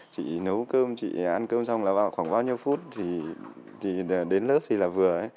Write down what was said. chị nấu cơm chị ăn cơm xong là vào khoảng bao nhiêu phút thì đến lớp thì là vừa